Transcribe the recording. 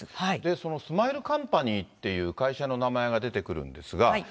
そのスマイルカンパニーという会社の名前が出てくるんですが。